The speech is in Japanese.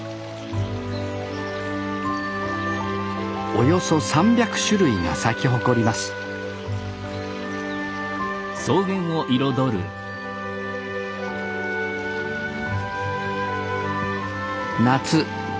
およそ３００種類が咲き誇ります夏。